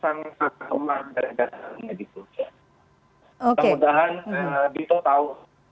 semoga bito tahu